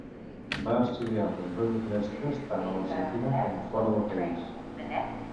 Va estudiar amb nombrosos mestres, tant a l'Argentina com fora del país.